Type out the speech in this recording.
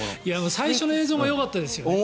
最初の映像がよかったですよね。